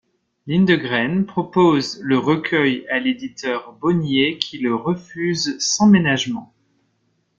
Lindegren propose le recueil à l'éditeur Bonnier, qui le refuse sans ménagement.